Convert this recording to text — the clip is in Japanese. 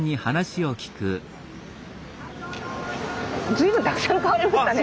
随分たくさん買われましたね。